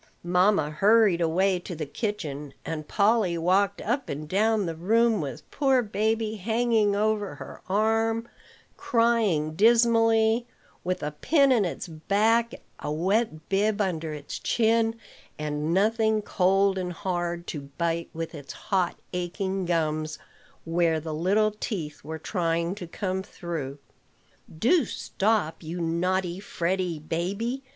Mamma hurried away to the kitchen; and Polly walked up and down the room with poor baby hanging over her arm, crying dismally, with a pin in its back, a wet bib under its chin, and nothing cold and hard to bite with its hot, aching gums, where the little teeth were trying to come through. "Do stop, you naughty, fretty baby.